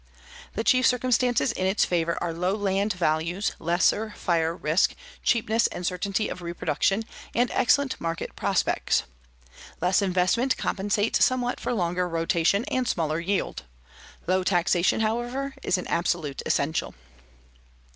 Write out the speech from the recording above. The chief circumstances in its favor are low land values, lesser fire risk, cheapness and certainty of reproduction and excellent market prospects. Less investment compensates somewhat for longer rotation and smaller yield. Low taxation, however, is an absolute essential.